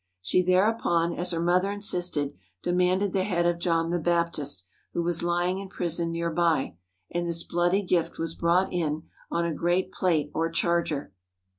She thereupon, as her mother insisted, de manded the head of John the Baptist, who was lying in prison near by, and this bloody gift was brought in on a great plate or charger.